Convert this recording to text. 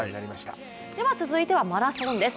続いてはマラソンです。